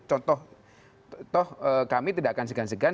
contoh toh kami tidak akan segan segan